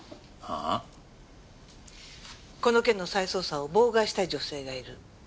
この件の再捜査を妨害したい女性がいる。